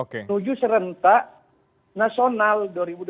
menuju serentak nasional